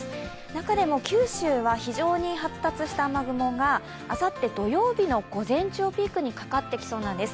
中でも九州は非常に発達した雨雲があさって、土曜日の午前中をピークにかかってきそうなんです。